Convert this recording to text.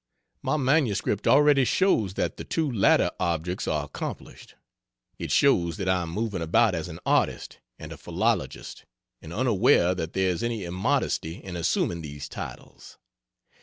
My MS already shows that the two latter objects are accomplished. It shows that I am moving about as an Artist and a Philologist, and unaware that there is any immodesty in assuming these titles.